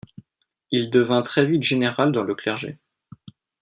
Il devint très vite général dans le clergé.